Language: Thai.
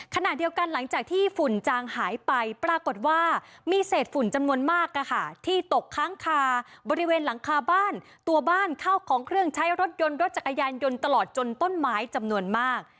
ขณะเดียวกันหลังจากที่ฝุ่นจางหายไปปรากฏว่ามีเศษฝุ่นจำนวนมากที่ตกค้างคาบริเวณหลังคาบ้านตัวบ้านเข้าของเครื่องใช้รถยนต์รถจักรยานยนต์ตลอดจนต้นไม้จำนวนมาก